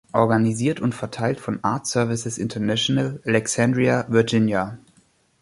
Organisiert und verteilt von Art Services International, Alexandria, Virginia.